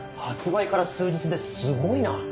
発売から数日ですごいな！